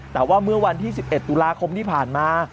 แต่ว่าเมื่อวันที่๑๑ตุลาคมที่ผ่านมา